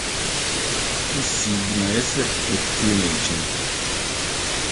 Misii gyinae sɛ mefi ne nkyɛn.